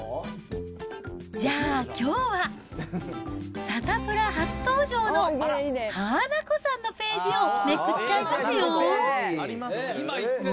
じゃあ、きょうは、サタプラ初登場のハナコさんのページをめくっちゃいますよ。